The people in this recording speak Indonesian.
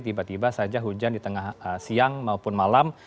tiba tiba saja hujan di tengah siang maupun malam